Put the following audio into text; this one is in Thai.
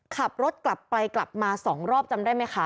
ขับรถกลับไปกลับมา๒รอบจำได้ไหมคะ